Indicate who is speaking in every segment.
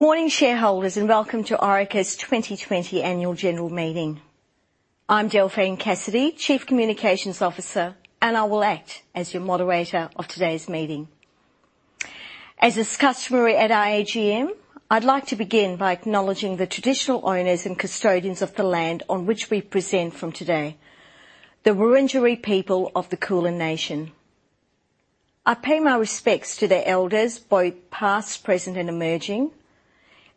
Speaker 1: Morning, shareholders, and welcome to Orica's 2020 Annual General Meeting. I'm Delphine Cassidy, Chief Communications Officer, and I will act as your moderator of today's meeting. As is customary at our AGM, I'd like to begin by acknowledging the traditional owners and custodians of the land on which we present from today, the Wurundjeri people of the Kulin nation. I pay my respects to the elders, both past, present, and emerging,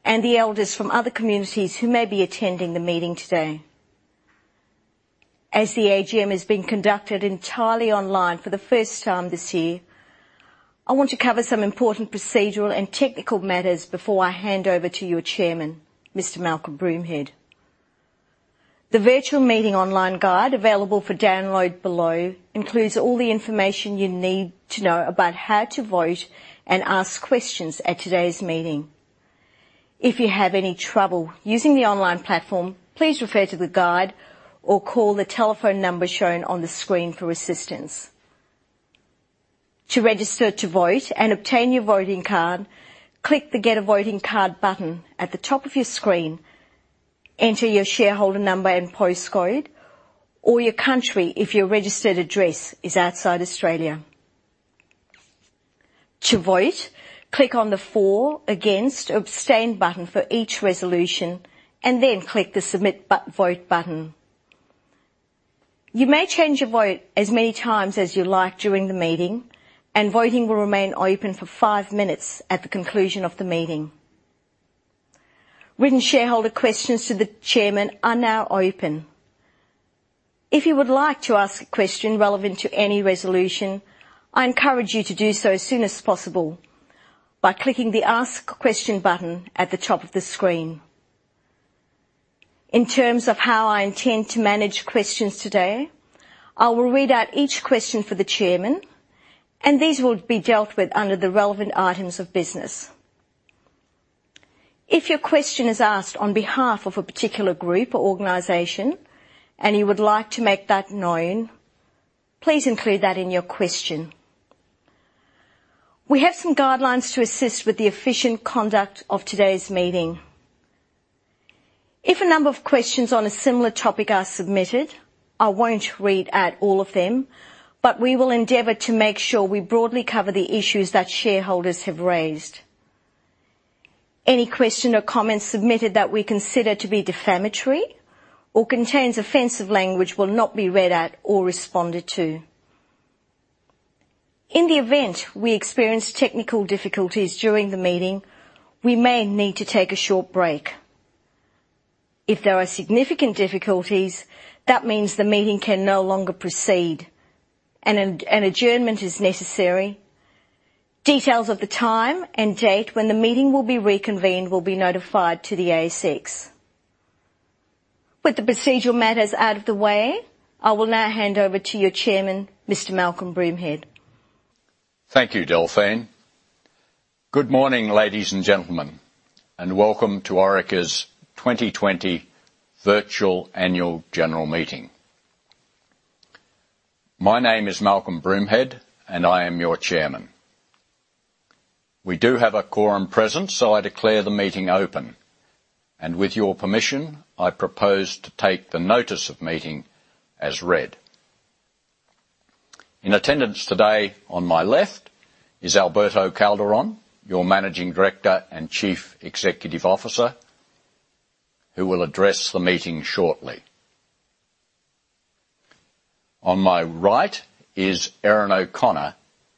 Speaker 1: and the elders from other communities who may be attending the meeting today. As the AGM is being conducted entirely online for the first time this year, I want to cover some important procedural and technical matters before I hand over to your chairman, Mr. Malcolm Broomhead. The virtual meeting online guide, available for download below, includes all the information you need to know about how to vote and ask questions at today's meeting. If you have any trouble using the online platform, please refer to the guide or call the telephone number shown on the screen for assistance. To register to vote and obtain your voting card, click the Get A Voting Card button at the top of your screen, enter your shareholder number and postcode, or your country if your registered address is outside Australia. To vote, click on the For, Against, or Abstain button for each resolution, and then click the Submit Vote button. You may change your vote as many times as you like during the meeting, and voting will remain open for five minutes at the conclusion of the meeting. Written shareholder questions to the chairman are now open. If you would like to ask a question relevant to any resolution, I encourage you to do so as soon as possible by clicking the Ask Question button at the top of the screen. In terms of how I intend to manage questions today, I will read out each question for the chairman, and these will be dealt with under the relevant items of business. If your question is asked on behalf of a particular group or organization and you would like to make that known, please include that in your question. We have some guidelines to assist with the efficient conduct of today's meeting. If a number of questions on a similar topic are submitted, I won't read out all of them, but we will endeavor to make sure we broadly cover the issues that shareholders have raised. Any question or comments submitted that we consider to be defamatory or contains offensive language will not be read out or responded to. In the event we experience technical difficulties during the meeting, we may need to take a short break. If there are significant difficulties, that means the meeting can no longer proceed and an adjournment is necessary. Details of the time and date when the meeting will be reconvened will be notified to the ASX. With the procedural matters out of the way, I will now hand over to your chairman, Mr. Malcolm Broomhead.
Speaker 2: Thank you, Delphine. Good morning, ladies and gentlemen, welcome to Orica's 2020 virtual annual general meeting. My name is Malcolm Broomhead, and I am your Chairman. We do have a quorum present, so I declare the meeting open. With your permission, I propose to take the notice of meeting as read. In attendance today, on my left, is Alberto Calderon, your Managing Director and Chief Executive Officer, who will address the meeting shortly. On my right is Erin O'Connor,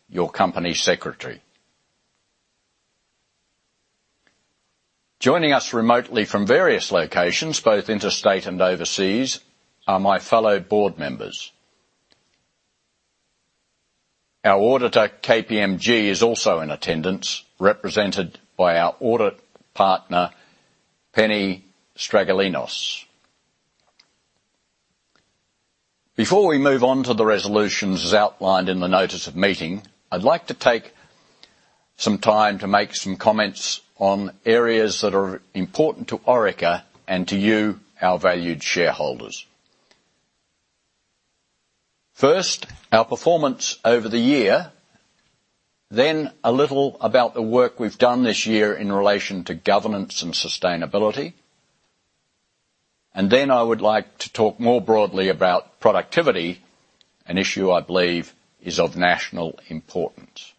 Speaker 2: your Company Secretary. Joining us remotely from various locations, both interstate and overseas, are my fellow Board members. Our auditor, KPMG, is also in attendance, represented by our audit partner, Penny Stragalianos. Before we move on to the resolutions as outlined in the notice of meeting, I'd like to take some time to make some comments on areas that are important to Orica and to you, our valued shareholders. First, our performance over the year, a little about the work we've done this year in relation to governance and sustainability, I would like to talk more broadly about productivity, an issue I believe is of national importance.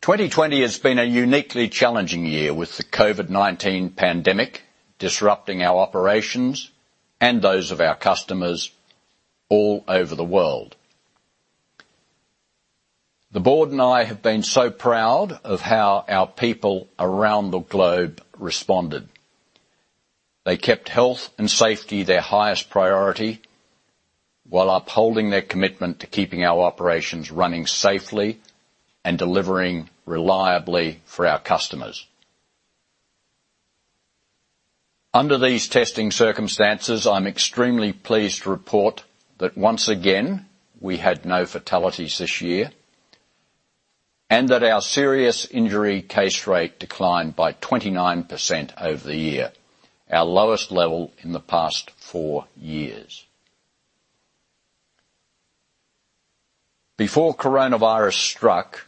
Speaker 2: 2020 has been a uniquely challenging year with the COVID-19 pandemic disrupting our operations and those of our customers all over the world. The Board and I have been so proud of how our people around the globe responded. They kept health and safety their highest priority while upholding their commitment to keeping our operations running safely and delivering reliably for our customers. Under these testing circumstances, I'm extremely pleased to report that once again, we had no fatalities this year and that our Serious Injury Case Rate declined by 29% over the year, our lowest level in the past four years. Before coronavirus struck,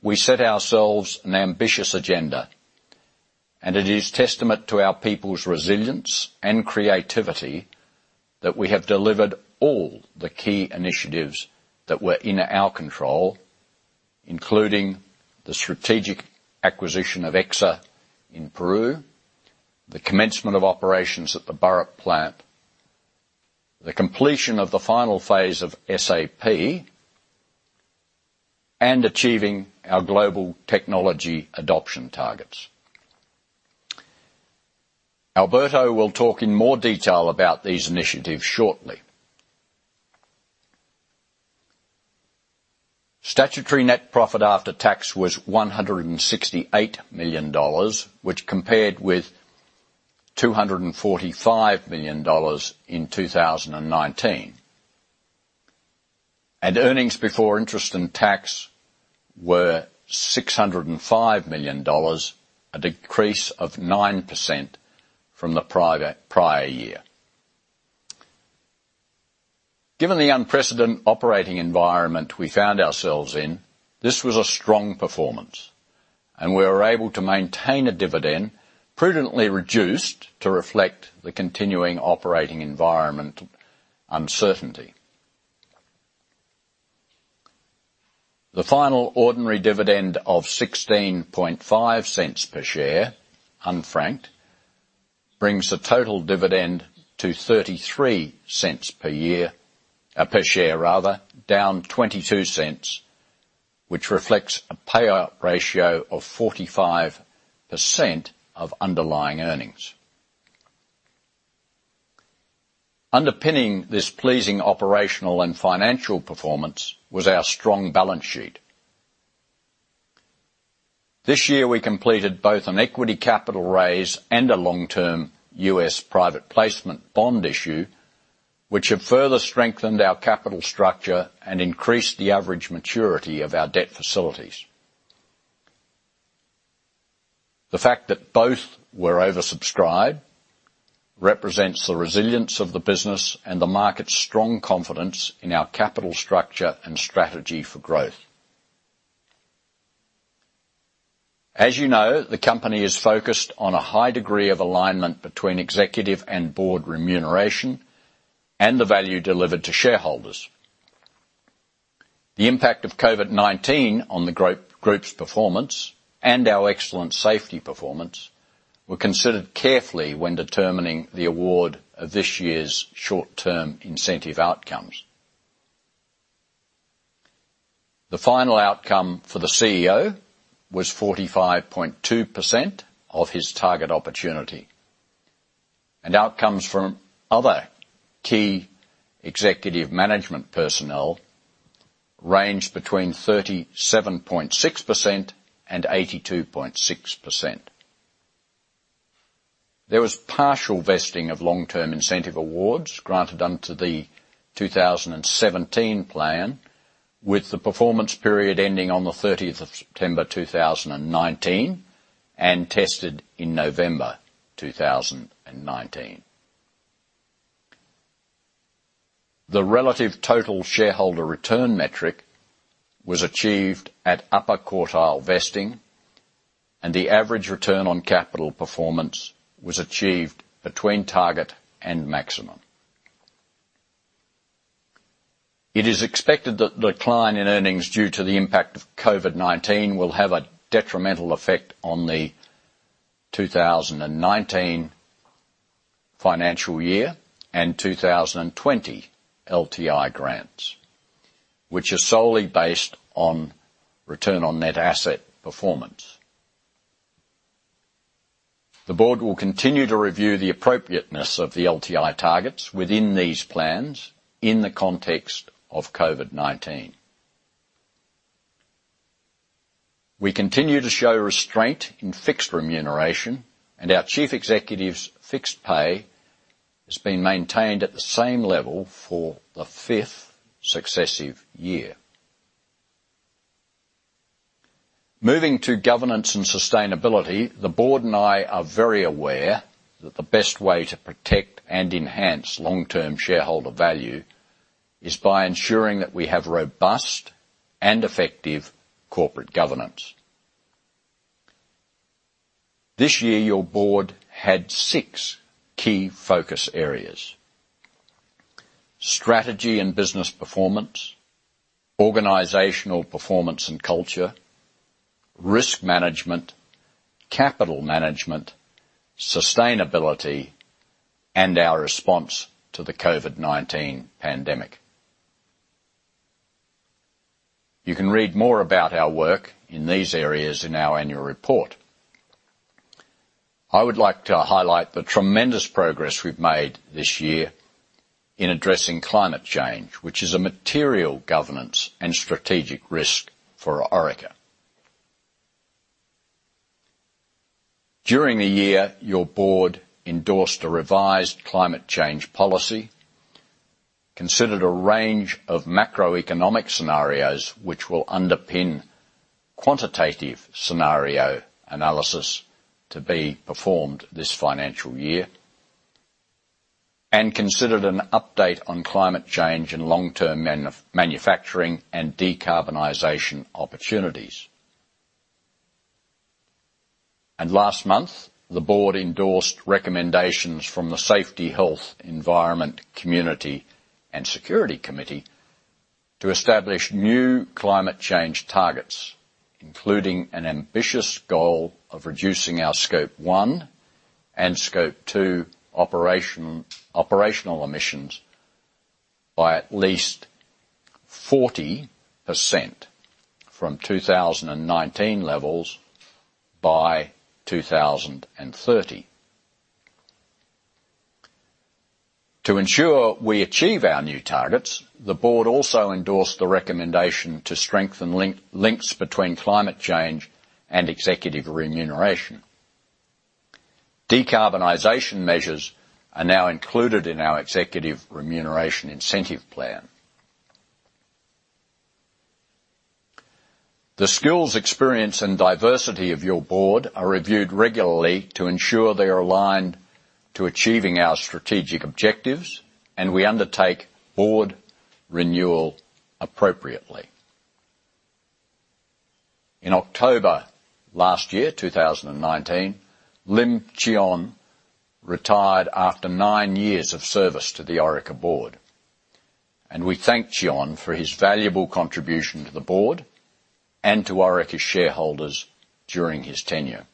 Speaker 2: we set ourselves an ambitious agenda, and it is testament to our people's resilience and creativity that we have delivered all the key initiatives that were in our control, including the strategic acquisition of Exsa in Peru, the commencement of operations at the Burrup plant, the completion of the final phase of SAP, and achieving our global technology adoption targets. Alberto will talk in more detail about these initiatives shortly. Statutory net profit after tax was 168 million dollars, which compared with 245 million dollars in 2019. Earnings before interest and tax were 605 million dollars, a decrease of 9% from the prior year. Given the unprecedented operating environment we found ourselves in, this was a strong performance, we were able to maintain a dividend prudently reduced to reflect the continuing operating environment uncertainty. The final ordinary dividend of 0.165 per share, unfranked, brings the total dividend to 0.33 per share rather, down 0.22, which reflects a payout ratio of 45% of underlying earnings. Underpinning this pleasing operational and financial performance was our strong balance sheet. This year we completed both an equity capital raise and a long-term U.S. private placement bond issue, which have further strengthened our capital structure and increased the average maturity of our debt facilities. The fact that both were oversubscribed represents the resilience of the business and the market's strong confidence in our capital structure and strategy for growth. As you know, the company is focused on a high degree of alignment between executive and board remuneration and the value delivered to shareholders. The impact of COVID-19 on the group's performance and our excellent safety performance were considered carefully when determining the award of this year's short-term incentive outcomes. The final outcome for the CEO was 45.2% of his target opportunity, and outcomes from other key executive management personnel range between 37.6% and 82.6%. There was partial vesting of long-term incentive awards granted under the 2017 plan, with the performance period ending on the 30th of September 2019 and tested in November 2019. The relative Total Shareholder Return metric was achieved at upper quartile vesting, and the average Return on Capital performance was achieved between target and maximum. It is expected that the decline in earnings due to the impact of COVID-19 will have a detrimental effect on the 2019 financial year and 2020 LTI grants, which are solely based on Return on Net Assets performance. The board will continue to review the appropriateness of the LTI targets within these plans in the context of COVID-19. We continue to show restraint in fixed remuneration, and our chief executive's fixed pay has been maintained at the same level for the fifth successive year. Moving to governance and sustainability, the board and I are very aware that the best way to protect and enhance long-term shareholder value is by ensuring that we have robust and effective corporate governance. This year, your board had six key focus areas. Strategy and business performance, organizational performance and culture, risk management, capital management, sustainability, and our response to the COVID-19 pandemic. You can read more about our work in these areas in our annual report. I would like to highlight the tremendous progress we've made this year in addressing climate change, which is a material governance and strategic risk for Orica. During the year, your board endorsed a revised climate change policy, considered a range of macroeconomic scenarios which will underpin quantitative scenario analysis to be performed this financial year and considered an update on climate change and long-term manufacturing and decarbonization opportunities. Last month, the board endorsed recommendations from the Safety, Health, Environment, Community and Security Committee to establish new climate change targets, including an ambitious goal of reducing our Scope 1 and Scope 2 operational emissions by at least 40% from 2019 levels by 2030. To ensure we achieve our new targets, the board also endorsed the recommendation to strengthen links between climate change and executive remuneration. Decarbonization measures are now included in our executive remuneration incentive plan. The skills, experience, and diversity of your board are reviewed regularly to ensure they are aligned to achieving our strategic objectives, and we undertake board renewal appropriately. In October last year, 2019, Lim Chee Onn retired after nine years of service to the Orica board, and we thank Chee Onn for his valuable contribution to the board and to Orica shareholders during his tenure.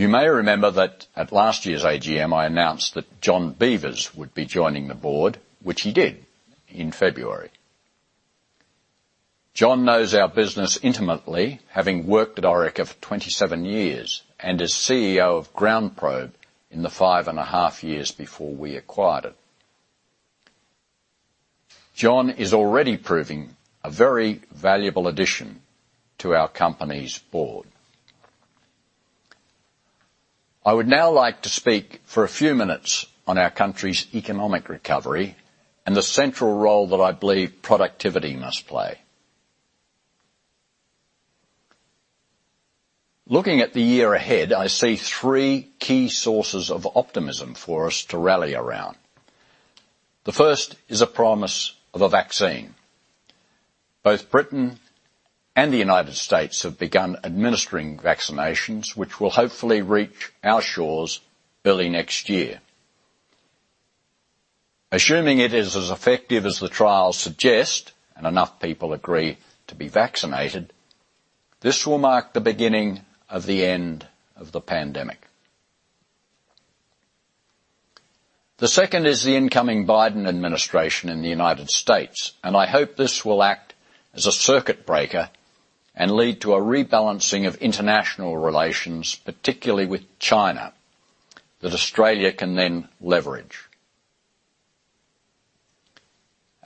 Speaker 2: You may remember that at last year's AGM, I announced that John Beevers would be joining the board, which he did in February. John knows our business intimately, having worked at Orica for 27 years, and as CEO of GroundProbe in the five and a half years before we acquired it. John is already proving a very valuable addition to our company's board. I would now like to speak for a few minutes on our country's economic recovery and the central role that I believe productivity must play. Looking at the year ahead, I see three key sources of optimism for us to rally around. The first is a promise of a vaccine. Both Britain and the United States have begun administering vaccinations, which will hopefully reach our shores early next year. Assuming it is as effective as the trials suggest and enough people agree to be vaccinated, this will mark the beginning of the end of the pandemic. The second is the incoming Biden administration in the United States. I hope this will act as a circuit breaker and lead to a rebalancing of international relations, particularly with China, that Australia can then leverage.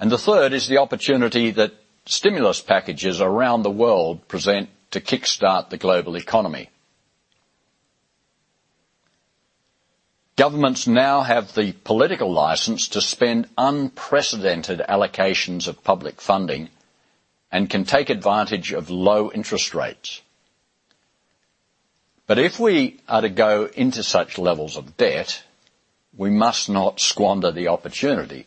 Speaker 2: The third is the opportunity that stimulus packages around the world present to kickstart the global economy. Governments now have the political license to spend unprecedented allocations of public funding and can take advantage of low interest rates. If we are to go into such levels of debt, we must not squander the opportunity,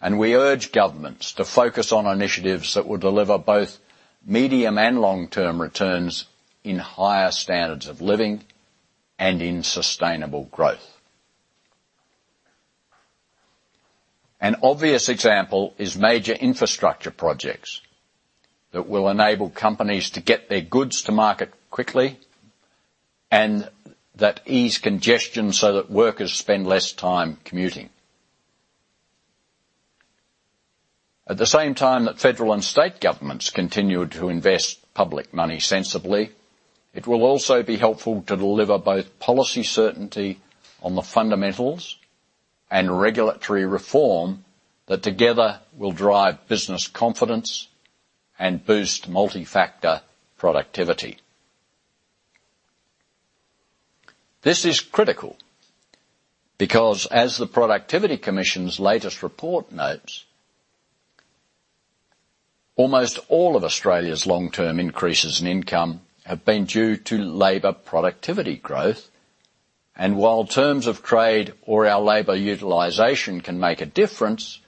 Speaker 2: and we urge governments to focus on initiatives that will deliver both medium and long-term returns in higher standards of living and in sustainable growth. An obvious example is major infrastructure projects that will enable companies to get their goods to market quickly and that ease congestion so that workers spend less time commuting. At the same time that federal and state governments continue to invest public money sensibly, it will also be helpful to deliver both policy certainty on the fundamentals and regulatory reform that together will drive business confidence and boost multi-factor productivity. This is critical because, as the Productivity Commission's latest report notes, almost all of Australia's long-term increases in income have been due to labor productivity growth. While terms of trade or our labor utilization can make a difference,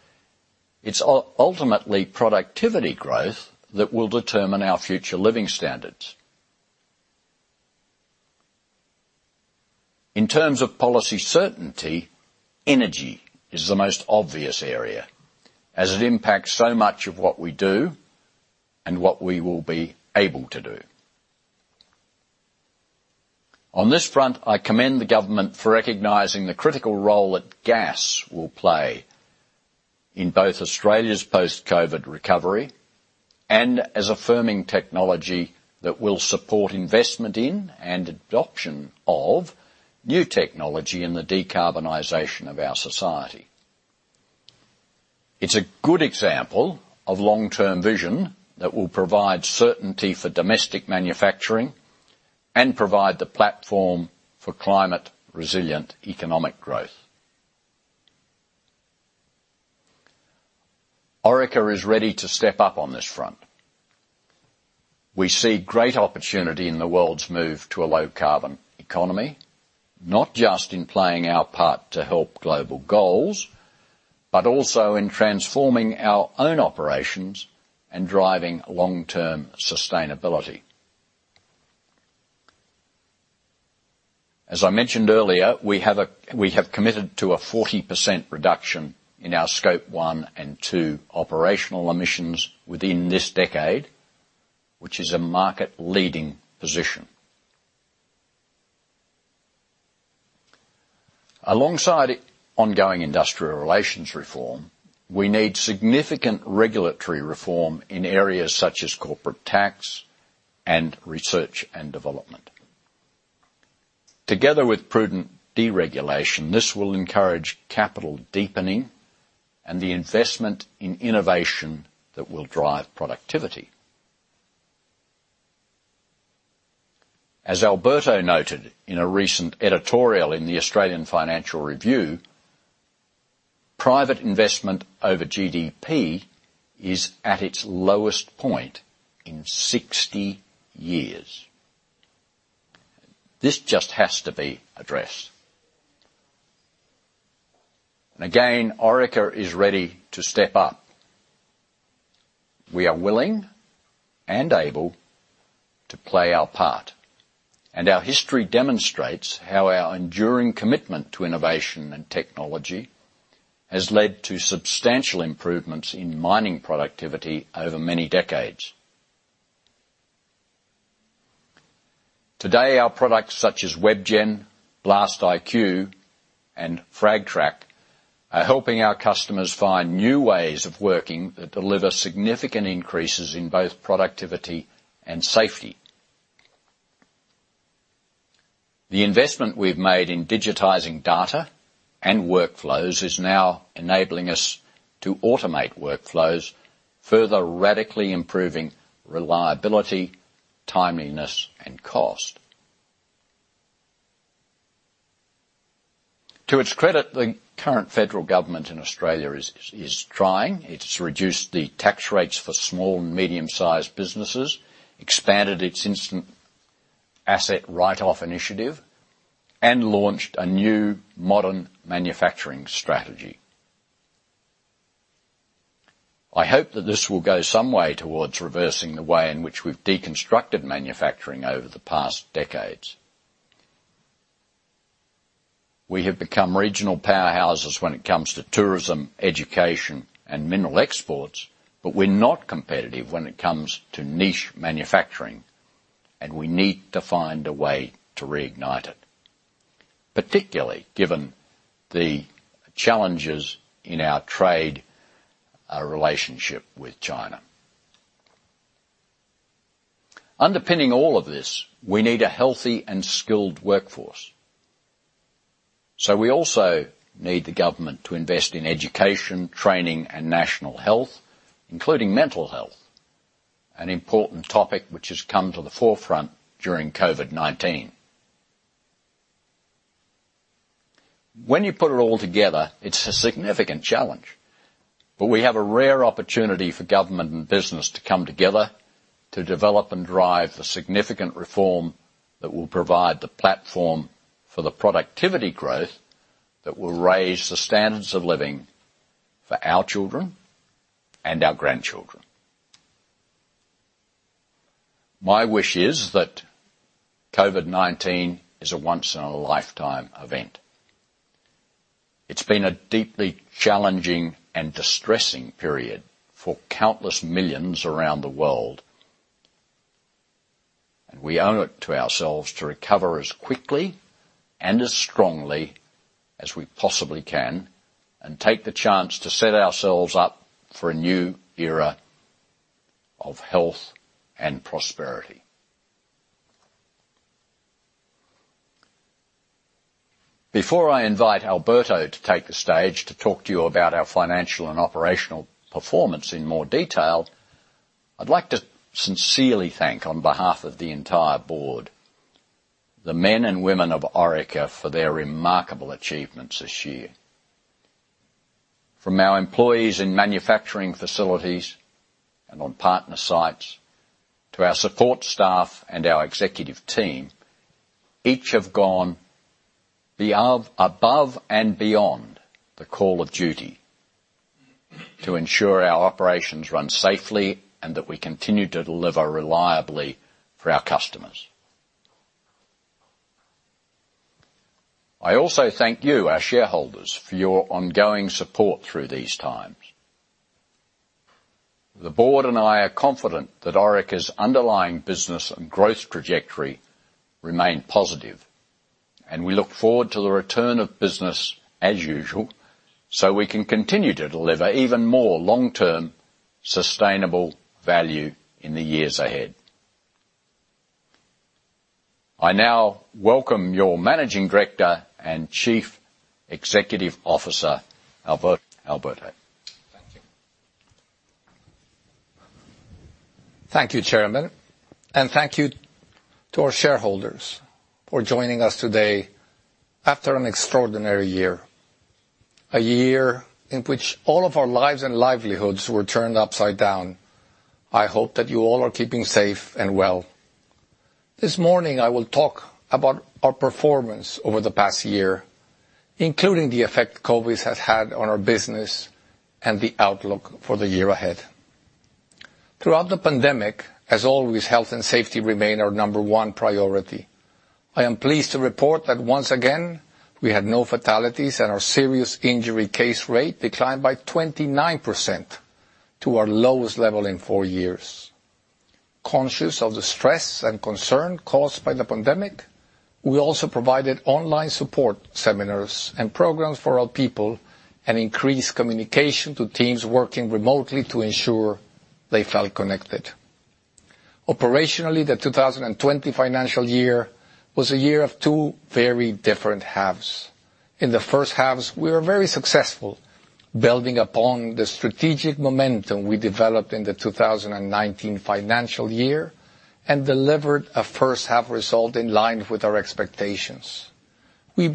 Speaker 2: it's ultimately productivity growth that will determine our future living standards. In terms of policy certainty, energy is the most obvious area, as it impacts so much of what we do and what we will be able to do. On this front, I commend the government for recognizing the critical role that gas will play in both Australia's post-COVID recovery and as a firming technology that will support investment in and adoption of new technology in the decarbonization of our society. It's a good example of long-term vision that will provide certainty for domestic manufacturing and provide the platform for climate resilient economic growth. Orica is ready to step up on this front. We see great opportunity in the world's move to a low carbon economy, not just in playing our part to help global goals, but also in transforming our own operations and driving long-term sustainability. As I mentioned earlier, we have committed to a 40% reduction in our Scope 1 and Scope 2 operational emissions within this decade, which is a market leading position. Alongside ongoing industrial relations reform, we need significant regulatory reform in areas such as corporate tax and research and development. Together with prudent deregulation, this will encourage capital deepening and the investment in innovation that will drive productivity. As Alberto noted in a recent editorial in The Australian Financial Review, private investment over GDP is at its lowest point in 60 years. This just has to be addressed. Orica is ready to step up. We are willing and able to play our part, and our history demonstrates how our enduring commitment to innovation and technology has led to substantial improvements in mining productivity over many decades. Today, our products such as WebGen, BlastIQ, and FRAGTrack are helping our customers find new ways of working that deliver significant increases in both productivity and safety. The investment we've made in digitizing data and workflows is now enabling us to automate workflows, further radically improving reliability, timeliness, and cost. To its credit, the current federal government in Australia is trying. It's reduced the tax rates for small and medium-sized businesses, expanded its Instant Asset Write-Off Initiative, and launched a new Modern Manufacturing Strategy. I hope that this will go some way towards reversing the way in which we've deconstructed manufacturing over the past decades. We have become regional powerhouses when it comes to tourism, education, and mineral exports, but we're not competitive when it comes to niche manufacturing, and we need to find a way to reignite it, particularly given the challenges in our trade relationship with China. Underpinning all of this, we need a healthy and skilled workforce. We also need the government to invest in education, training, and national health, including mental health, an important topic which has come to the forefront during COVID-19. When you put it all together, it's a significant challenge. We have a rare opportunity for government and business to come together to develop and drive the significant reform that will provide the platform for the productivity growth that will raise the standards of living for our children and our grandchildren. My wish is that COVID-19 is a once-in-a-lifetime event. It's been a deeply challenging and distressing period for countless millions around the world. We owe it to ourselves to recover as quickly and as strongly as we possibly can and take the chance to set ourselves up for a new era of health and prosperity. Before I invite Alberto to take the stage to talk to you about our financial and operational performance in more detail, I'd like to sincerely thank on behalf of the entire board, the men and women of Orica for their remarkable achievements this year. From our employees in manufacturing facilities and on partner sites to our support staff and our executive team, each have gone above and beyond the call of duty to ensure our operations run safely and that we continue to deliver reliably for our customers. I also thank you, our shareholders, for your ongoing support through these times. The board and I are confident that Orica's underlying business and growth trajectory remain positive, and we look forward to the return of business as usual so we can continue to deliver even more long-term sustainable value in the years ahead. I now welcome your Managing Director and Chief Executive Officer, Alberto Calderon.
Speaker 3: Thank you, Chairman, and thank you to our shareholders for joining us today after an extraordinary year. A year in which all of our lives and livelihoods were turned upside down. I hope that you all are keeping safe and well. This morning, I will talk about our performance over the past year, including the effect COVID-19 has had on our business and the outlook for the year ahead. Throughout the pandemic, as always, health and safety remain our number one priority. I am pleased to report that once again, we had no fatalities, and our Serious Injury Case Rate declined by 29% to our lowest level in four years. Conscious of the stress and concern caused by the pandemic, we also provided online support seminars and programs for our people and increased communication to teams working remotely to ensure they felt connected. Operationally, the 2020 financial year was a year of two very different halves. In the first half, we were very successful building upon the strategic momentum we developed in the 2019 financial year and delivered a first half result in line with our expectations. Then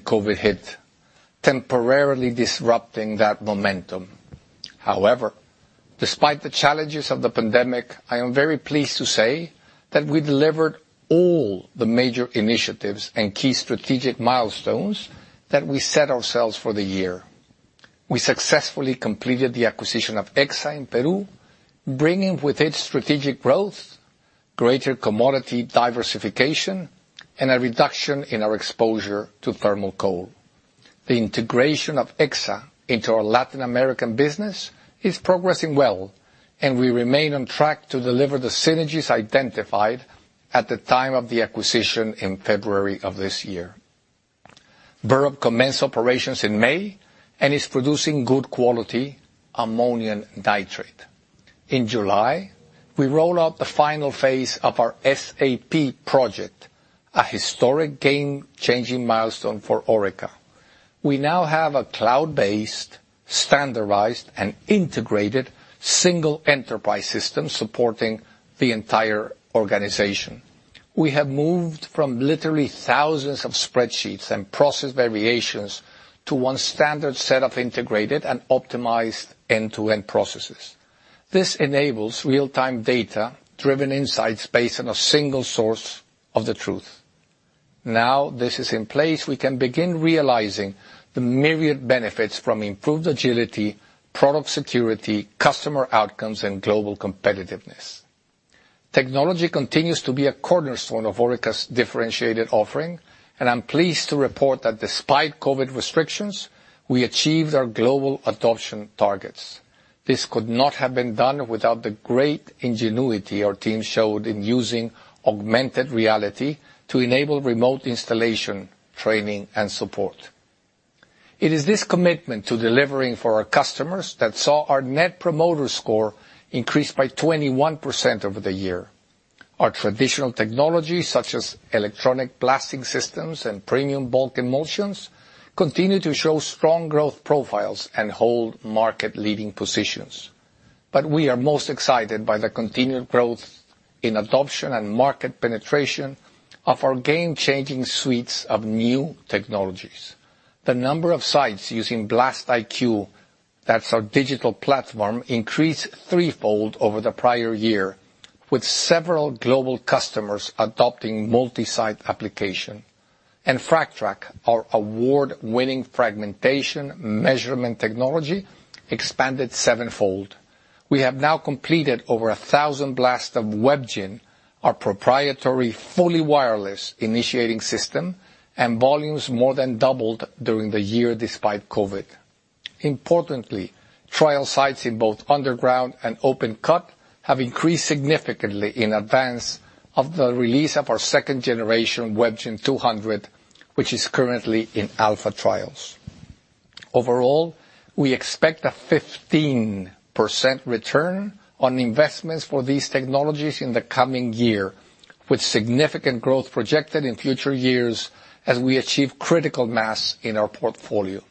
Speaker 3: COVID-19 hit, temporarily disrupting that momentum. However, despite the challenges of the pandemic, I am very pleased to say that we delivered all the major initiatives and key strategic milestones that we set ourselves for the year. We successfully completed the acquisition of Exsa in Peru, bringing with it strategic growth, greater commodity diversification, and a reduction in our exposure to thermal coal. The integration of Exsa into our Latin American business is progressing well. We remain on track to deliver the synergies identified at the time of the acquisition in February of this year. Burrup commenced operations in May and is producing good quality ammonium nitrate. In July, we rolled out the final phase of our SAP project, a historic game-changing milestone for Orica. We now have a cloud-based, standardized, and integrated single enterprise system supporting the entire organization. We have moved from literally thousands of spreadsheets and process variations to one standard set of integrated and optimized end-to-end processes. This enables real-time data-driven insights in a single source of the truth. Now this is in place, we can begin realizing the myriad benefits from improved agility, product security, customer outcomes, and global competitiveness. Technology continues to be a cornerstone of Orica's differentiated offering. I'm pleased to report that despite COVID restrictions, we achieved our global adoption targets. This could not have been done without the great ingenuity our team showed in using augmented reality to enable remote installation, training, and support. It is this commitment to delivering for our customers that saw our Net Promoter Score increase by 21% over the year. Our traditional technology, such as electronic blasting systems and premium bulk emulsions, continue to show strong growth profiles and hold market leading positions. We are most excited by the continued growth in adoption and market penetration of our game-changing suites of new technologies. The number of sites using BlastIQ, that's our digital platform, increased threefold over the prior year, with several global customers adopting multi-site application. FRAGTrack, our award-winning fragmentation measurement technology, expanded sevenfold. We have now completed over 1,000 blasts of WebGen, our proprietary fully wireless initiating system. Volumes more than doubled during the year despite COVID. Importantly, trial sites in both underground and open cut have increased significantly in advance of the release of our second generation, WebGen 200, which is currently in alpha trials. Overall, we expect a 15% return on investments for these technologies in the coming year, with significant growth projected in future years as we achieve critical mass in our portfolio.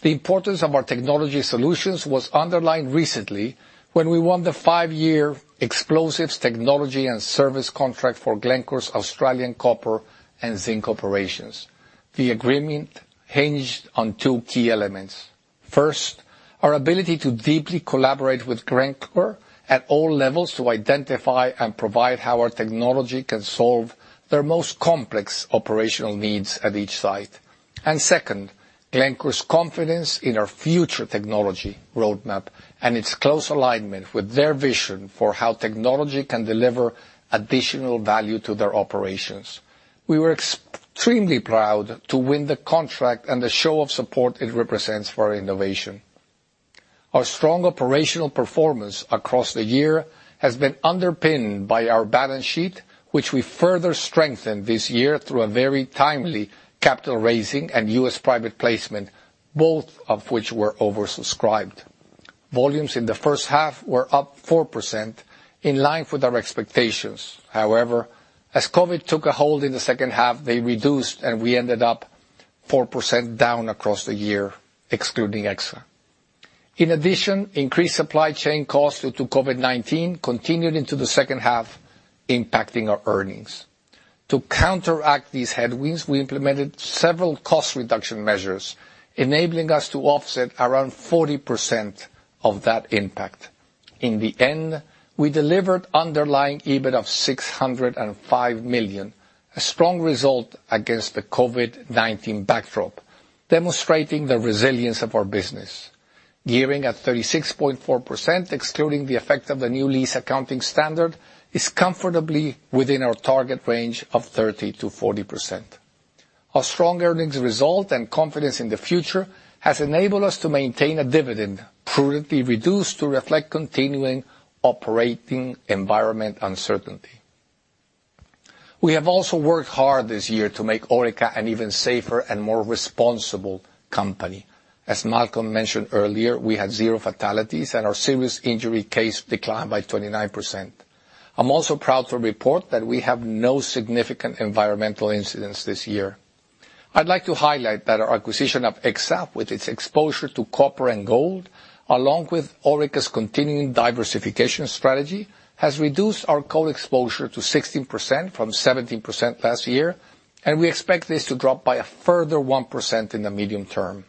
Speaker 3: The importance of our technology solutions was underlined recently when we won the five-year explosives technology and service contract for Glencore's Australian copper and zinc operations. The agreement hinged on two key elements. First, our ability to deeply collaborate with Glencore at all levels to identify and provide how our technology can solve their most complex operational needs at each site. Second, Glencore's confidence in our future technology roadmap and its close alignment with their vision for how technology can deliver additional value to their operations. We were extremely proud to win the contract and the show of support it represents for our innovation. Our strong operational performance across the year has been underpinned by our balance sheet, which we further strengthened this year through a very timely capital raising and US Private Placement, both of which were oversubscribed. Volumes in the first half were up 4%, in line with our expectations. However, as COVID took a hold in the second half, they reduced, and we ended up 4% down across the year, excluding EXR. In addition, increased supply chain costs due to COVID-19 continued into the second half, impacting our earnings. To counteract these headwinds, we implemented several cost reduction measures, enabling us to offset around 40% of that impact. In the end, we delivered underlying EBIT of 605 million, a strong result against the COVID-19 backdrop, demonstrating the resilience of our business. Gearing at 36.4%, excluding the effect of the new lease accounting standard, is comfortably within our target range of 30%-40%. Our strong earnings result and confidence in the future has enabled us to maintain a dividend prudently reduced to reflect continuing operating environment uncertainty. We have also worked hard this year to make Orica an even safer and more responsible company. As Malcolm mentioned earlier, we had zero fatalities and our Serious Injury Case declined by 29%. I'm also proud to report that we have no significant environmental incidents this year. I'd like to highlight that our acquisition of Exsa, with its exposure to copper and gold, along with Orica's continuing diversification strategy, has reduced our coal exposure to 16% from 17% last year, and we expect this to drop by a further 1% in the medium term.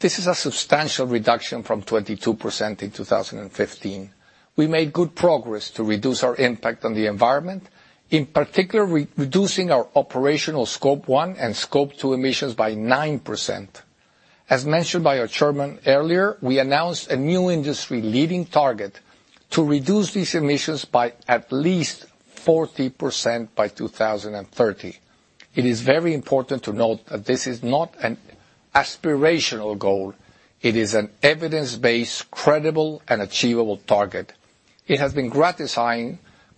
Speaker 3: This is a substantial reduction from 22% in 2015. We made good progress to reduce our impact on the environment, in particular reducing our operational Scope 1 and Scope 2 emissions by 9%. As mentioned by our Chairman earlier, we announced a new industry-leading target to reduce these emissions by at least 40% by 2030. It is very important to note that this is not an aspirational goal. It is an evidence-based, credible, and achievable target. It has been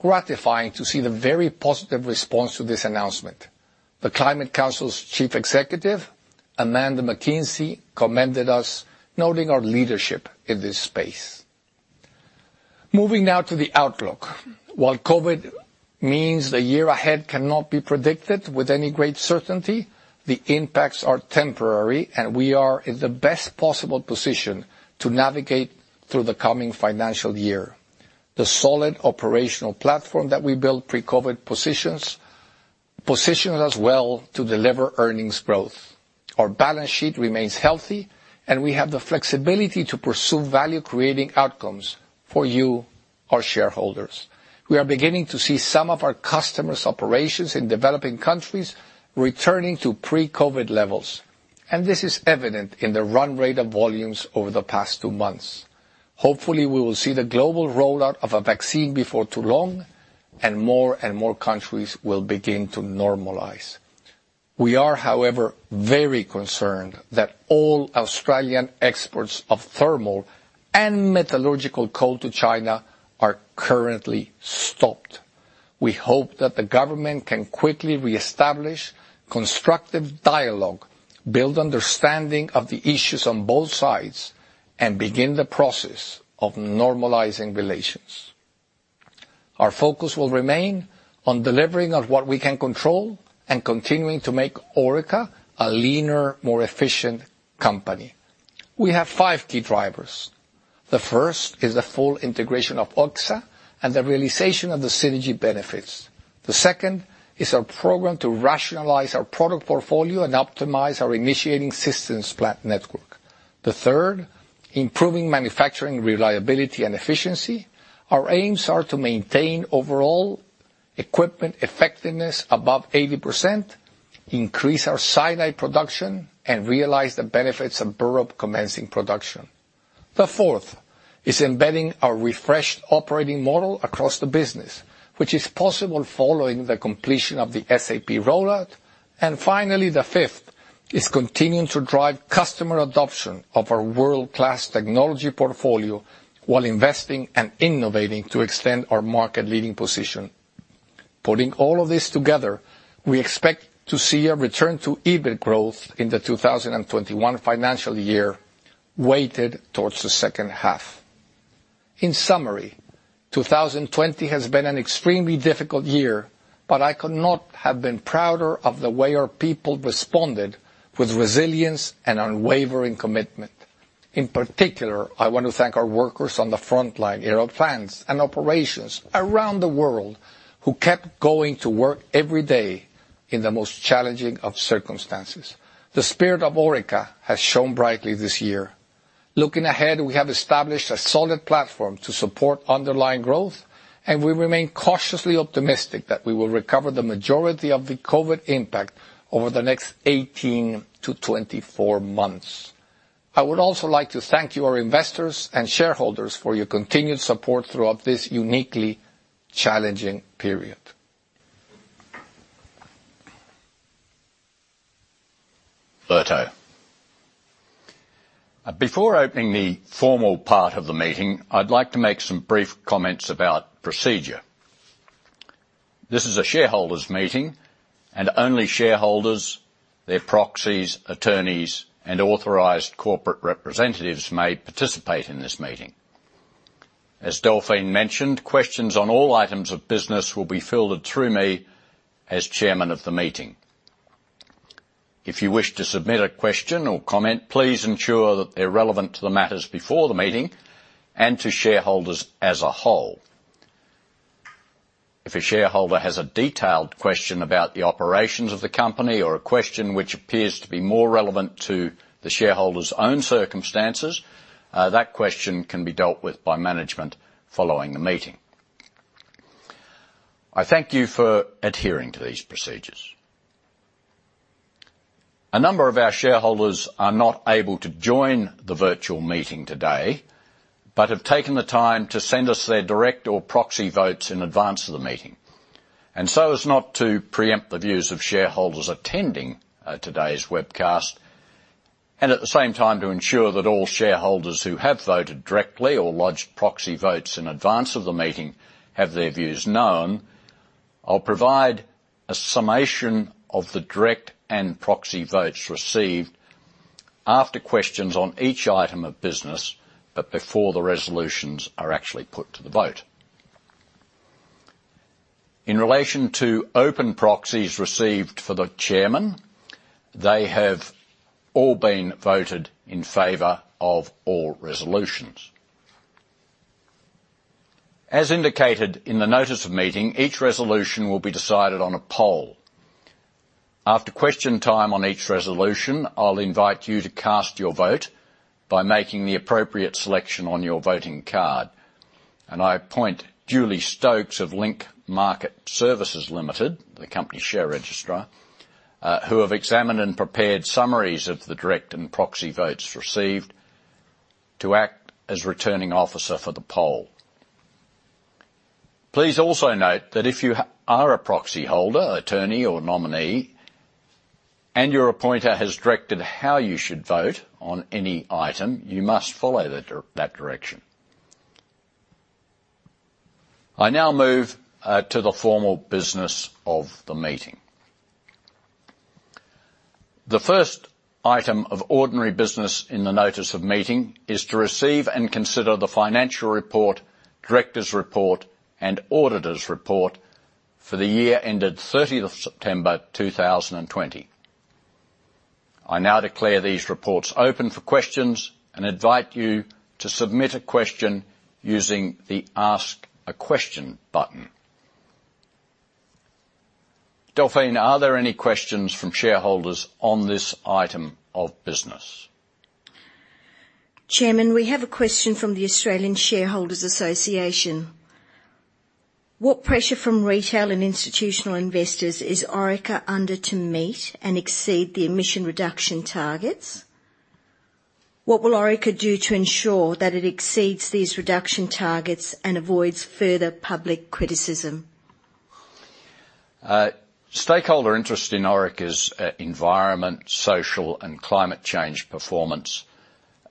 Speaker 3: gratifying to see the very positive response to this announcement. The Climate Council's Chief Executive, Amanda McKenzie, commended us, noting our leadership in this space. Moving now to the outlook. While COVID means the year ahead cannot be predicted with any great certainty, the impacts are temporary. We are in the best possible position to navigate through the coming financial year. The solid operational platform that we built pre-COVID positions us well to deliver earnings growth. Our balance sheet remains healthy. We have the flexibility to pursue value-creating outcomes for you, our shareholders. We are beginning to see some of our customers' operations in developing countries returning to pre-COVID levels. This is evident in the run rate of volumes over the past two months. Hopefully, we will see the global rollout of a vaccine before too long. More and more countries will begin to normalize. We are, however, very concerned that all Australian exports of thermal and metallurgical coal to China are currently stopped. We hope that the government can quickly reestablish constructive dialogue, build understanding of the issues on both sides, and begin the process of normalizing relations. Our focus will remain on delivering on what we can control and continuing to make Orica a leaner, more efficient company. We have five key drivers. The first is the full integration of Exsa and the realization of the synergy benefits. The second is our program to rationalize our product portfolio and optimize our initiating systems plant network. The third, improving manufacturing reliability and efficiency. Our aims are to maintain Overall Equipment Effectiveness above 80%, increase our cyanide production, and realize the benefits of Burrup commencing production. The fourth is embedding our refreshed operating model across the business, which is possible following the completion of the SAP rollout. Finally, the fifth is continuing to drive customer adoption of our world-class technology portfolio while investing and innovating to extend our market-leading position. Putting all of this together, we expect to see a return to EBIT growth in the 2021 financial year, weighted towards the second half. In summary, 2020 has been an extremely difficult year. I could not have been prouder of the way our people responded with resilience and unwavering commitment. In particular, I want to thank our workers on the front line, in our plants and operations around the world, who kept going to work every day in the most challenging of circumstances. The spirit of Orica has shone brightly this year. Looking ahead, we have established a solid platform to support underlying growth. We remain cautiously optimistic that we will recover the majority of the COVID-19 impact over the next 18-24 months. I would also like to thank you, our investors and shareholders, for your continued support throughout this uniquely challenging period.
Speaker 2: Alberto. Before opening the formal part of the meeting, I'd like to make some brief comments about procedure. This is a shareholders' meeting. Only shareholders, their proxies, attorneys, and authorized corporate representatives may participate in this meeting. As Delphine mentioned, questions on all items of business will be filtered through me as chairman of the meeting. If you wish to submit a question or comment, please ensure that they're relevant to the matters before the meeting and to shareholders as a whole. If a shareholder has a detailed question about the operations of the company or a question which appears to be more relevant to the shareholder's own circumstances, that question can be dealt with by management following the meeting. I thank you for adhering to these procedures. A number of our shareholders are not able to join the virtual meeting today but have taken the time to send us their direct or proxy votes in advance of the meeting. As not to preempt the views of shareholders attending today's webcast, and at the same time to ensure that all shareholders who have voted directly or lodged proxy votes in advance of the meeting have their views known, I'll provide a summation of the direct and proxy votes received after questions on each item of business, before the resolutions are actually put to the vote. In relation to open proxies received for the chairman, they have all been voted in favor of all resolutions. As indicated in the notice of meeting, each resolution will be decided on a poll. After question time on each resolution, I'll invite you to cast your vote by making the appropriate selection on your voting card. I appoint Julie Stokes of Link Market Services Limited, the company share registrar, who have examined and prepared summaries of the direct and proxy votes received, to act as returning officer for the poll. Please also note that if you are a proxy holder, attorney, or nominee, and your appointer has directed how you should vote on any item, you must follow that direction. I now move to the formal business of the meeting. The first item of ordinary business in the notice of meeting is to receive and consider the financial report, directors' report, and auditors' report for the year ended 30th September 2020. I now declare these reports open for questions and invite you to submit a question using the Ask a Question button. Delphine, are there any questions from shareholders on this item of business?
Speaker 1: Chairman, we have a question from the Australian Shareholders' Association. What pressure from retail and institutional investors is Orica under to meet and exceed the emission reduction targets? What will Orica do to ensure that it exceeds these reduction targets and avoids further public criticism?
Speaker 2: Stakeholder interest in Orica's environment, social, and climate change performance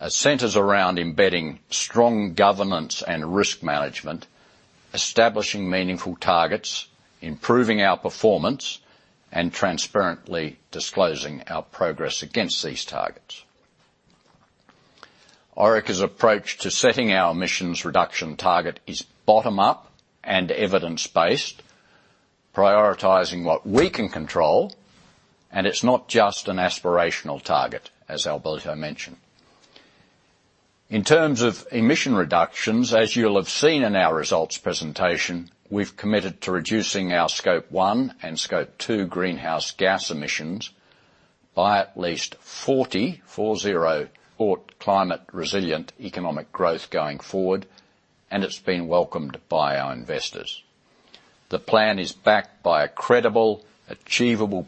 Speaker 2: centers around embedding strong governance and risk management, establishing meaningful targets, improving our performance, and transparently disclosing our progress against these targets. Orica's approach to setting our emissions reduction target is bottom-up and evidence-based, prioritizing what we can control, and it's not just an aspirational target, as Alberto mentioned. In terms of emission reductions, as you'll have seen in our results presentation, we've committed to reducing our Scope 1 and Scope 2 greenhouse gas emissions by at least 40%. For climate resilient economic growth going forward, and it's been welcomed by our investors. The plan is backed by a credible, achievable.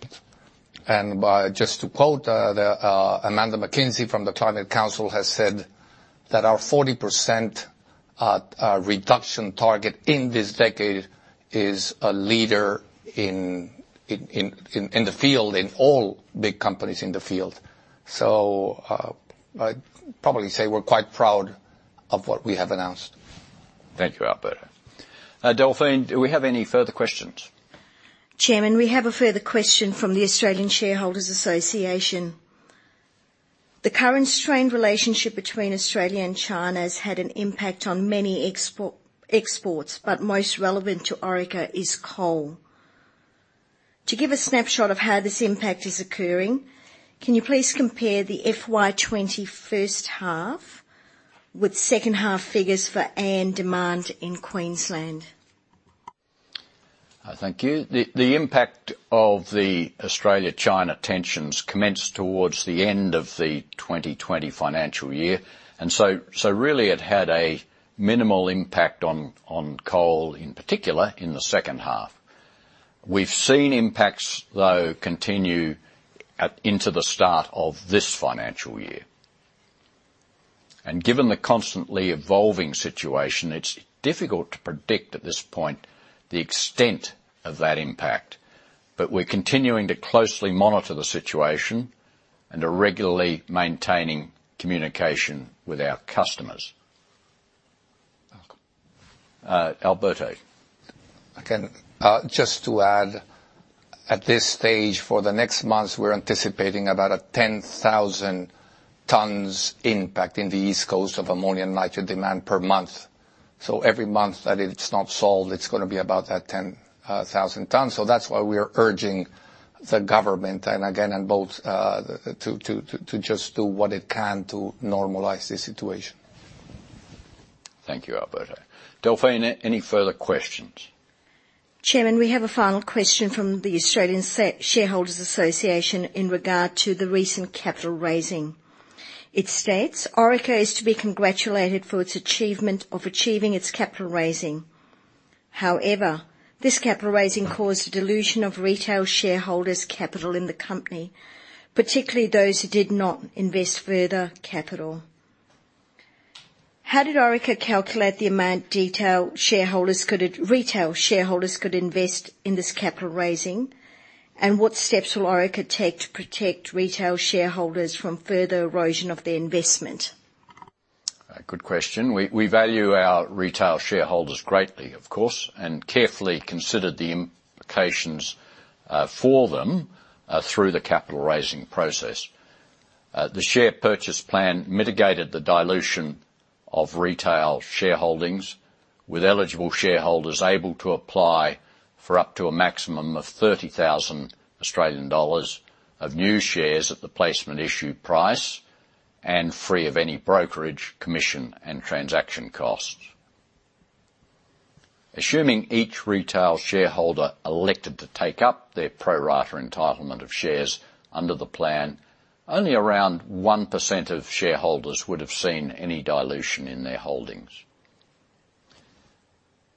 Speaker 2: Just to quote, Amanda McKenzie from the Climate Council has said that our 40% reduction target in this decade is a leader in the field, in all big companies in the field. I'd probably say we're quite proud of what we have announced. Thank you, Alberto. Delphine, do we have any further questions?
Speaker 1: Chairman, we have a further question from the Australian Shareholders' Association. The current strained relationship between Australia and China has had an impact on many exports, but most relevant to Orica is coal. To give a snapshot of how this impact is occurring, can you please compare the FY 2020 first half with second half figures for AN demand in Queensland?
Speaker 2: Thank you. The impact of the Australia-China tensions commenced towards the end of the 2020 financial year, really it had a minimal impact on coal, in particular, in the second half. We've seen impacts, though, continue into the start of this financial year. Given the constantly evolving situation, it's difficult to predict at this point the extent of that impact. We're continuing to closely monitor the situation and are regularly maintaining communication with our customers Alberto.
Speaker 3: Again, just to add, at this stage, for the next months, we're anticipating about a 10,000 tons impact in the East Coast of ammonia and nitro demand per month. Every month that it's not solved, it's going to be about that 10,000 tons. That's why we are urging the government, and both to just do what it can to normalize the situation.
Speaker 2: Thank you, Alberto. Delphine, any further questions?
Speaker 1: Chairman, we have a final question from the Australian Shareholders' Association in regard to the recent capital raising. It states, Orica is to be congratulated for its achievement of achieving its capital raising. However, this capital raising caused a dilution of retail shareholders' capital in the company, particularly those who did not invest further capital. How did Orica calculate the amount retail shareholders could invest in this capital raising, and what steps will Orica take to protect retail shareholders from further erosion of their investment?
Speaker 2: Good question. We value our retail shareholders greatly, of course, and carefully considered the implications for them through the capital raising process. The share purchase plan mitigated the dilution of retail shareholdings with eligible shareholders able to apply for up to a maximum of 30,000 Australian dollars of new shares at the placement issue price, and free of any brokerage, commission, and transaction costs. Assuming each retail shareholder elected to take up their pro rata entitlement of shares under the plan, only around 1% of shareholders would have seen any dilution in their holdings.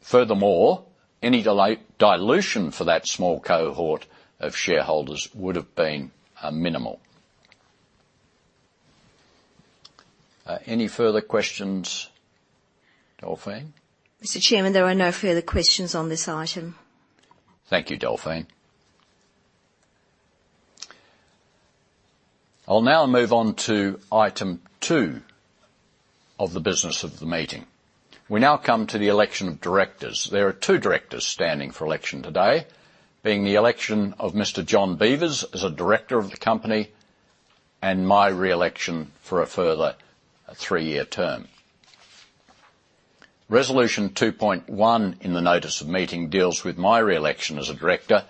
Speaker 2: Furthermore, any dilution for that small cohort of shareholders would've been minimal. Any further questions, Delphine?
Speaker 1: Mr. Chairman, there are no further questions on this item.
Speaker 2: Thank you, Delphine. I'll now move on to item two of the business of the meeting. We now come to the election of directors. There are two directors standing for election today, being the election of Mr. John Beevers as a director of the company and my re-election for a further three-year term. Resolution 2.1 in the notice of meeting deals with my re-election as a director,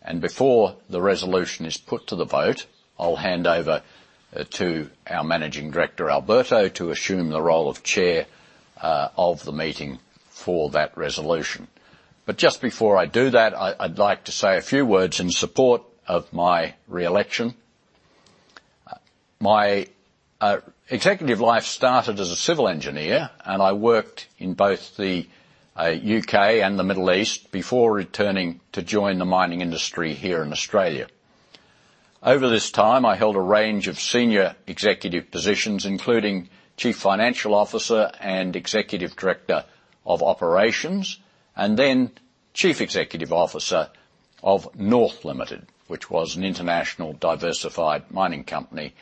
Speaker 2: and before the resolution is put to the vote, I'll hand over to our Managing Director, Alberto, to assume the role of chair of the meeting for that resolution. Just before I do that, I'd like to say a few words in support of my re-election. My executive life started as a civil engineer, and I worked in both the U.K. and the Middle East before returning to join the mining industry here in Australia. Over this time, I held a range of senior executive positions, including Chief Financial Officer and Executive Director of Operations, and then Chief Executive Officer of North Limited, which was an international diversified mining company,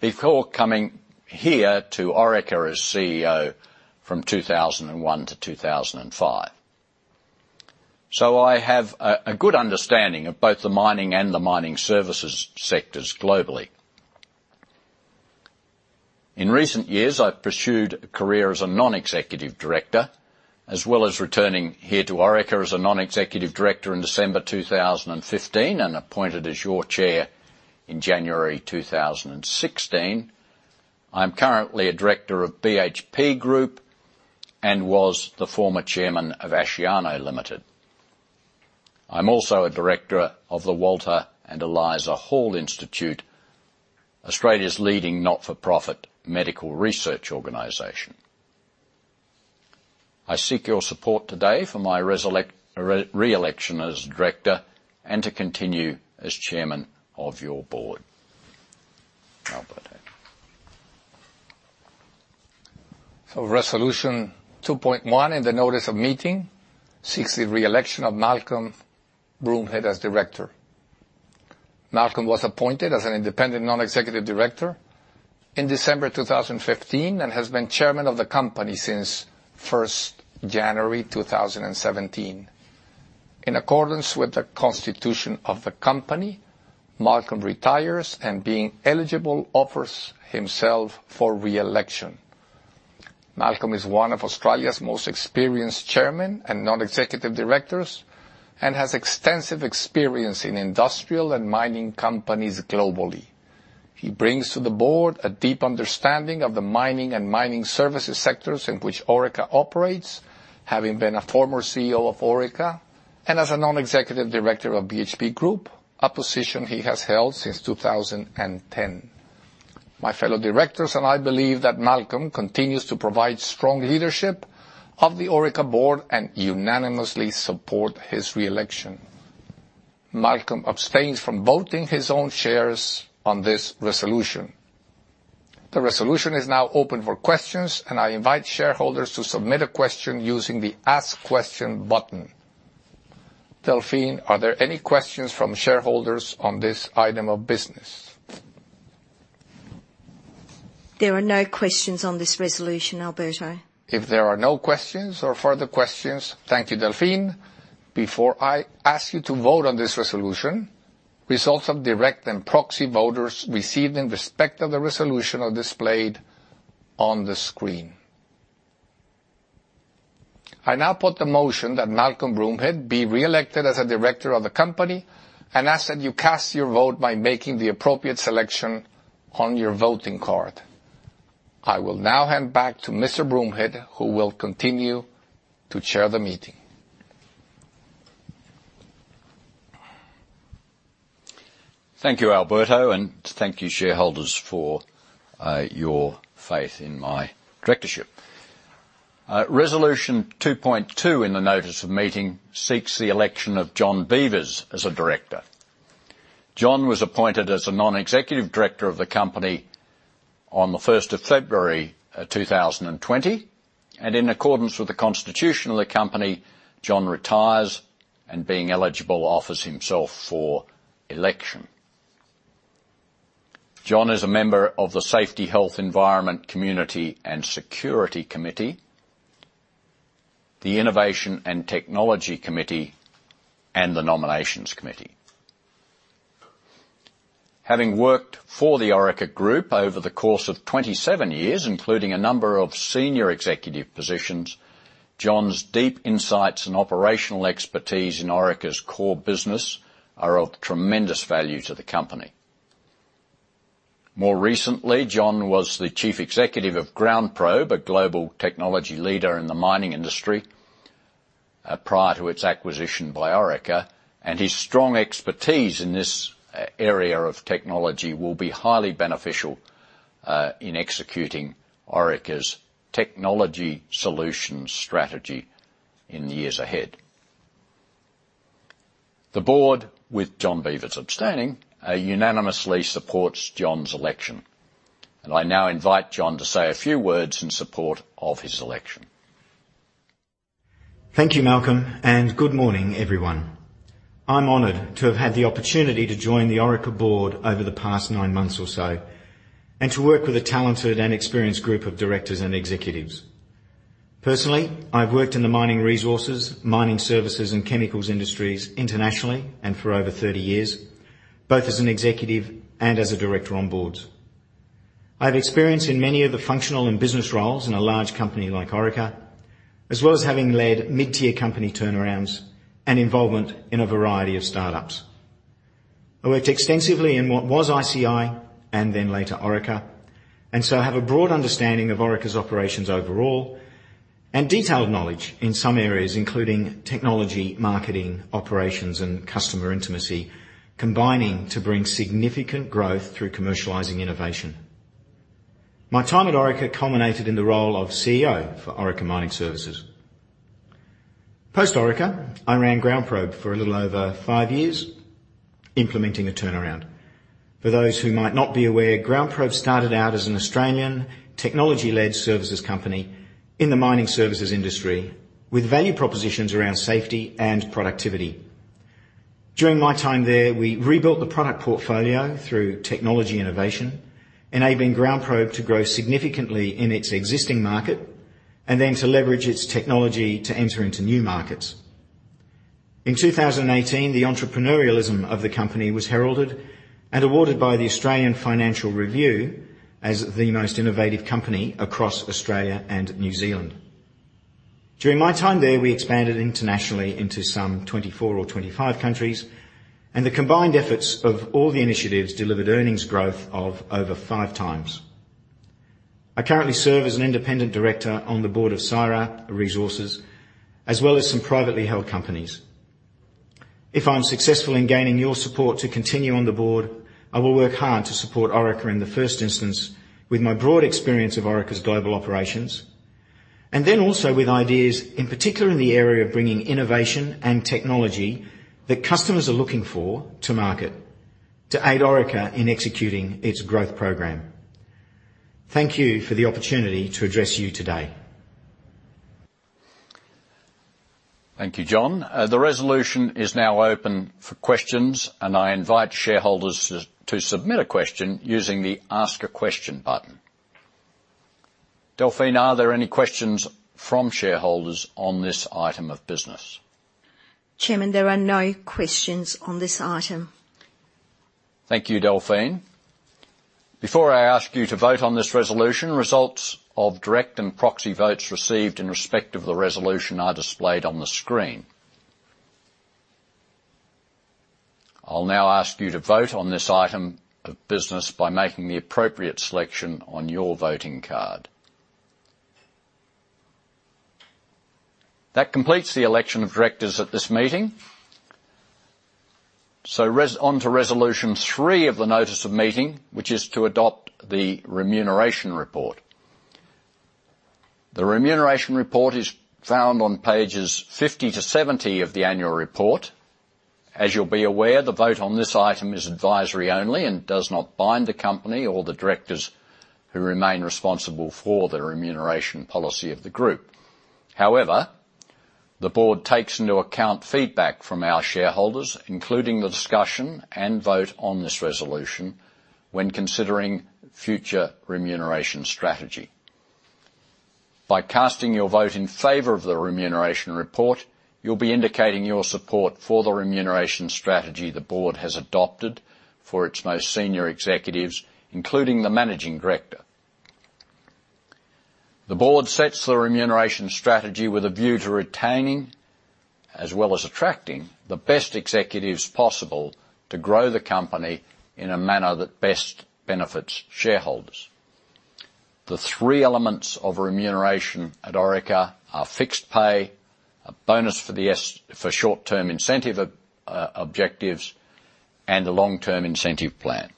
Speaker 2: before coming here to Orica as CEO from 2001 to 2005. I have a good understanding of both the mining and the mining services sectors globally. In recent years, I've pursued a career as a non-executive Director, as well as returning here to Orica as a non-executive Director in December 2015 and appointed as your Chairman in January 2016. I'm currently a Director of BHP Group and was the former Chairman of Asciano Limited. I'm also a Director of the Walter and Eliza Hall Institute, Australia's leading not-for-profit medical research organization. I seek your support today for my re-election as Director and to continue as Chairman of your board. Alberto.
Speaker 3: Resolution 2.1 in the notice of meeting seeks the re-election of Malcolm Broomhead as Director. Malcolm was appointed as an independent non-executive Director in December 2015 and has been Chairman of the company since January 2016. In accordance with the constitution of the company, Malcolm retires and being eligible, offers himself for re-election. Malcolm is one of Australia's most experienced Chairman and non-executive Directors and has extensive experience in industrial and mining companies globally. He brings to the board a deep understanding of the mining and mining services sectors in which Orica operates, having been a former CEO of Orica and as a non-executive Director of BHP Group, a position he has held since 2010. My fellow Directors and I believe that Malcolm continues to provide strong leadership of the Orica board and unanimously support his re-election. Malcolm abstains from voting his own shares on this resolution. The resolution is now open for questions, and I invite shareholders to submit a question using the Ask Question button. Delphine, are there any questions from shareholders on this item of business?
Speaker 1: There are no questions on this resolution, Alberto.
Speaker 3: If there are no questions or further questions, thank you, Delphine. Before I ask you to vote on this resolution, results of direct and proxy voters received in respect of the resolution are displayed on the screen. I now put the motion that Malcolm Broomhead be reelected as a director of the company and ask that you cast your vote by making the appropriate selection on your voting card. I will now hand back to Mr. Broomhead, who will continue to chair the meeting.
Speaker 2: Thank you, Alberto, and thank you shareholders for your faith in my directorship. Resolution 2.2 in the notice of meeting seeks the election of John Beevers as a director. John was appointed as a non-executive director of the company on the 1st of February 2020, and in accordance with the constitution of the company, John retires, and being eligible, offers himself for election. John is a member of the Safety, Health, Environment, Community and Security Committee, the Innovation and Technology Committee, and the Nominations Committee. Having worked for the Orica Group over the course of 27 years, including a number of senior executive positions, John's deep insights and operational expertise in Orica's core business are of tremendous value to the company. More recently, John was the chief executive of GroundProbe, a global technology leader in the mining industry, prior to its acquisition by Orica, and his strong expertise in this area of technology will be highly beneficial in executing Orica's technology solutions strategy in the years ahead. The board, with John Beevers abstaining, unanimously supports John's election. I now invite John to say a few words in support of his election.
Speaker 4: Thank you, Malcolm, and good morning, everyone. I'm honored to have had the opportunity to join the Orica board over the past nine months or so and to work with a talented and experienced group of directors and executives. Personally, I've worked in the mining resources, mining services, and chemicals industries internationally, and for over 30 years, both as an executive and as a director on boards. I have experience in many of the functional and business roles in a large company like Orica, as well as having led mid-tier company turnarounds and involvement in a variety of startups. I worked extensively in what was ICI and then later Orica, so I have a broad understanding of Orica's operations overall and detailed knowledge in some areas, including technology, marketing, operations, and customer intimacy, combining to bring significant growth through commercializing innovation. My time at Orica culminated in the role of CEO for Orica Mining Services. Post-Orica, I ran GroundProbe for a little over five years, implementing a turnaround. For those who might not be aware, GroundProbe started out as an Australian technology-led services company in the mining services industry with value propositions around safety and productivity. During my time there, we rebuilt the product portfolio through technology innovation, enabling GroundProbe to grow significantly in its existing market and then to leverage its technology to enter into new markets. In 2018, the entrepreneurialism of the company was heralded and awarded by The Australian Financial Review as the most innovative company across Australia and New Zealand. During my time there, we expanded internationally into some 24 or 25 countries, and the combined efforts of all the initiatives delivered earnings growth of over five times. I currently serve as an independent director on the board of Syrah Resources, as well as some privately held companies. If I'm successful in gaining your support to continue on the board, I will work hard to support Orica in the first instance with my broad experience of Orica's global operations and also with ideas, in particular in the area of bringing innovation and technology that customers are looking for to market to aid Orica in executing its growth program. Thank you for the opportunity to address you today.
Speaker 2: Thank you, John. The resolution is now open for questions, I invite shareholders to submit a question using the Ask a Question button. Delphine, are there any questions from shareholders on this item of business?
Speaker 1: Chairman, there are no questions on this item.
Speaker 2: Thank you, Delphine. Before I ask you to vote on this resolution, results of direct and proxy votes received in respect of the resolution are displayed on the screen. I will now ask you to vote on this item of business by making the appropriate selection on your voting card. That completes the election of directors at this meeting. On to resolution 3 of the notice of meeting, which is to adopt the remuneration report. The remuneration report is found on pages 50 to 70 of the annual report. As you will be aware, the vote on this item is advisory only and does not bind the company or the directors who remain responsible for the remuneration policy of the group. The board takes into account feedback from our shareholders, including the discussion and vote on this resolution when considering future remuneration strategy. By casting your vote in favor of the remuneration report, you will be indicating your support for the remuneration strategy the board has adopted for its most senior executives, including the Managing Director. The board sets the remuneration strategy with a view to retaining, as well as attracting, the best executives possible to grow the company in a manner that best benefits shareholders. The three elements of remuneration at Orica are fixed pay, a bonus for short-term incentive objectives, and the long-term incentive plan.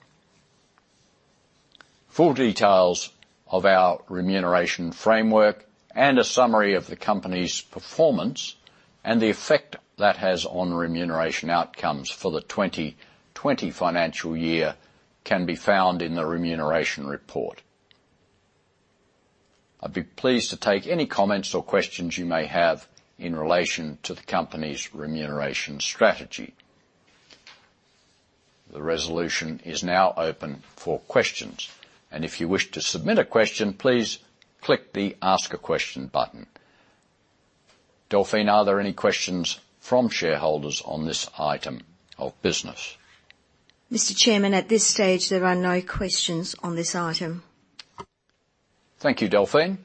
Speaker 2: Full details of our remuneration framework and a summary of the company's performance and the effect that has on remuneration outcomes for the 2020 financial year can be found in the remuneration report. I would be pleased to take any comments or questions you may have in relation to the company's remuneration strategy. The resolution is now open for questions. If you wish to submit a question, please click the Ask a Question button. Delphine, are there any questions from shareholders on this item of business?
Speaker 1: Mr. Chairman, at this stage, there are no questions on this item.
Speaker 2: Thank you, Delphine.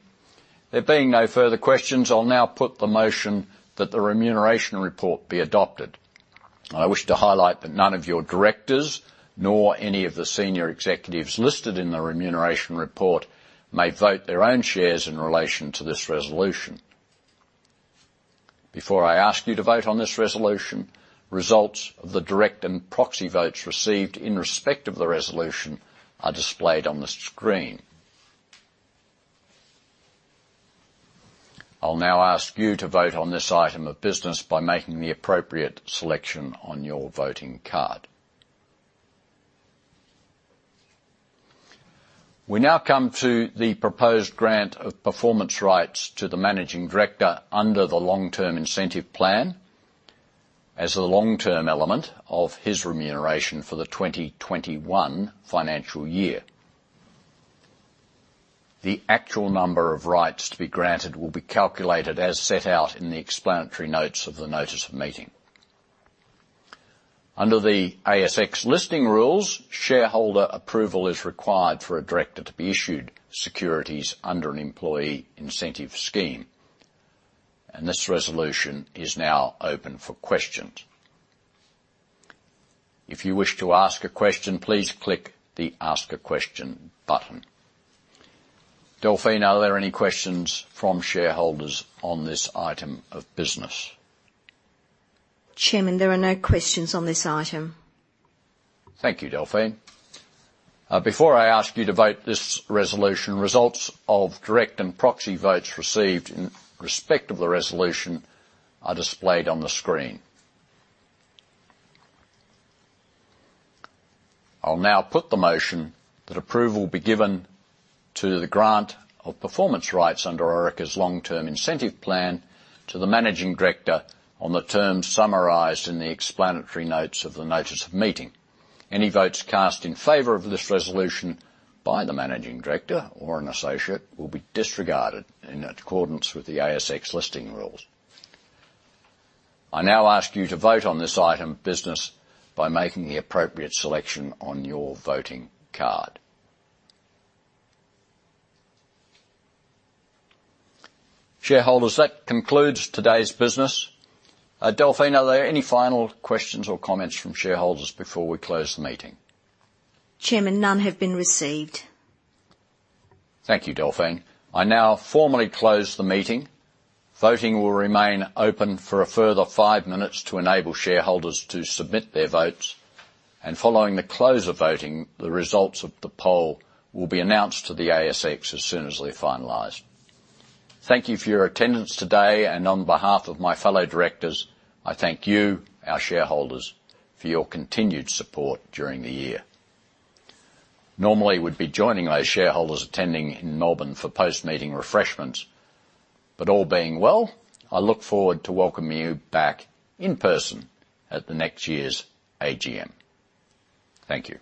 Speaker 2: There being no further questions, I'll now put the motion that the remuneration report be adopted. I wish to highlight that none of your directors, nor any of the senior executives listed in the remuneration report, may vote their own shares in relation to this resolution. Before I ask you to vote on this resolution, results of the direct and proxy votes received in respect of the resolution are displayed on the screen. I'll now ask you to vote on this item of business by making the appropriate selection on your voting card. We now come to the proposed grant of performance rights to the Managing Director under the long-term incentive plan as a long-term element of his remuneration for the 2021 financial year. The actual number of rights to be granted will be calculated as set out in the explanatory notes of the notice of meeting. Under the ASX Listing Rules, shareholder approval is required for a director to be issued securities under an employee incentive scheme. This resolution is now open for questions. If you wish to ask a question, please click the Ask a Question button. Delphine, are there any questions from shareholders on this item of business?
Speaker 1: Chairman, there are no questions on this item.
Speaker 2: Thank you, Delphine. Before I ask you to vote this resolution, results of direct and proxy votes received in respect of the resolution are displayed on the screen. I'll now put the motion that approval be given to the grant of performance rights under Orica's long-term incentive plan to the Managing Director on the terms summarized in the explanatory notes of the notice of meeting. Any votes cast in favor of this resolution by the Managing Director or an associate will be disregarded in accordance with the ASX Listing Rules. I now ask you to vote on this item of business by making the appropriate selection on your voting card. Shareholders, that concludes today's business. Delphine, are there any final questions or comments from shareholders before we close the meeting?
Speaker 1: Chairman, none have been received.
Speaker 2: Thank you, Delphine. I now formally close the meeting. Voting will remain open for a further five minutes to enable shareholders to submit their votes. Following the close of voting, the results of the poll will be announced to the ASX as soon as they're finalized. Thank you for your attendance today, and on behalf of my fellow directors, I thank you, our shareholders, for your continued support during the year. Normally, we'd be joining those shareholders attending in Melbourne for post-meeting refreshments. All being well, I look forward to welcoming you back in person at the next year's AGM. Thank you.